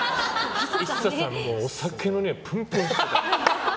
ＩＳＳＡさんはお酒のにおいぷんぷんしてた。